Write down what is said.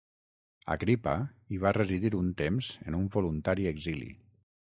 Agripa hi va residir un temps en un voluntari exili.